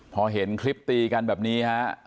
พอเห็นคลิปตีกันแบบนี้ฮะ